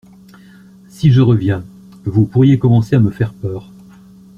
Si je reviens. Vous pourriez commencer à me faire peur.